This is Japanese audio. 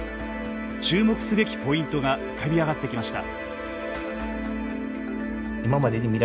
注目すべきポイントが浮かび上がってきました。